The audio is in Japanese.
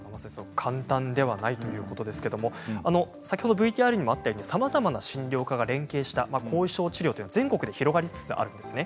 簡単ではないということですけれどＶＴＲにあったようにさまざまな診療科が連携した後遺症治療、全国で広がりつつあります。